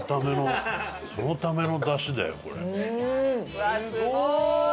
うわっすごい！